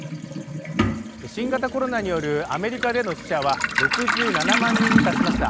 新型コロナによるアメリカでの死者は６７万人に達しました。